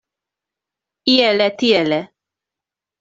Iele tiele.